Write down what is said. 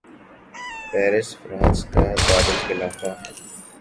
Paris France کا دارلخلافہ ہے